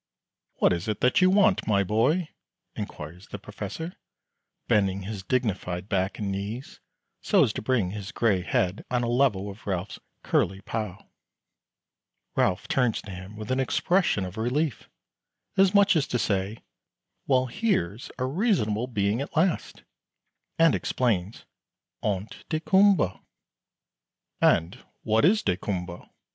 "What is it that you want, my boy?" inquires the Professor, bending his dignified back and knees, so as to bring his gray head on a level with Ralph's "curly pow." Ralph turns to him with an expression of relief, as much as to say, "Well, here's a reasonable being at last," and explains, "Ont daykumboa." "And what is daykumboa?"